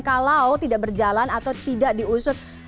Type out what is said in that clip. kalau tidak berjalan atau tidak diusut